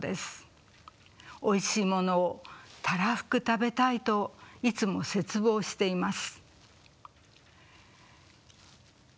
おいしいものをたらふく食べたいといつも切望しています。